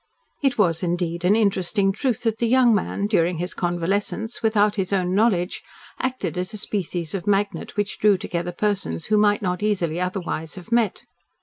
It was, indeed, an interesting truth that the young man, during his convalescence, without his own knowledge, acted as a species of magnet which drew together persons who might not easily otherwise have met.